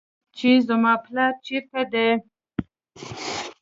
چې زما پلار چېرته دى.